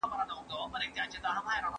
کېدای سي ونه وچه سي!؟